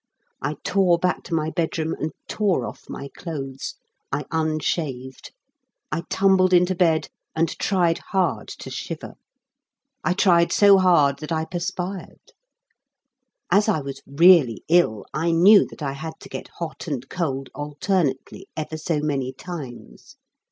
I tore back to my bedroom and tore off my clothes. I unshaved. I tumbled into bed and tried hard to shiver. I tried so hard that I perspired. As I was really ill I knew that I had to get hot and cold alternately ever so many times.